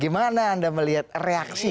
gimana anda melihat reaksi